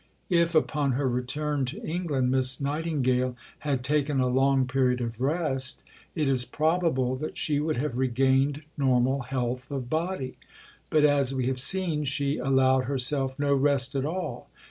If upon her return to England Miss Nightingale had taken a long period of rest, it is probable that she would have regained normal health of body; but, as we have seen, she allowed herself no rest at all.